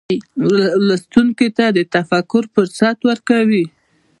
لوستونکي ته د تفکر فرصت ورکوي.